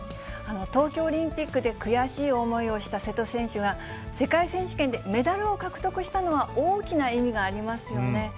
東京オリンピックで悔しい思いをした瀬戸選手が、世界選手権でメダルを獲得したのは、大きな意味がありますよね。